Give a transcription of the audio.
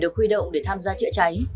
được khuy động để tham gia trịa cháy